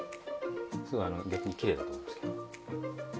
すごい逆にきれいだと思いますけど。